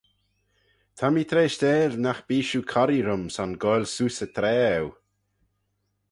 Ta mee treishteil nagh bee shiu corree rhym son goaill seose y traa eu.